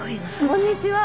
こんにちは。